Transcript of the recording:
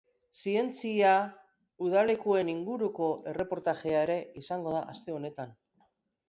Zientzia udalekuen inguruko erreportajea ere izango da aste honetan.